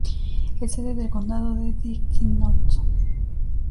Es sede del condado de Dickinson.